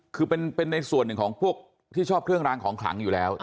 คือเป็นในส่วนหนึ่งของพวกที่ชอบเครื่องรางของขลังอยู่แล้ว